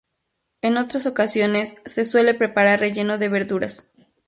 En otras ocasiones se suele preparar relleno de verduras.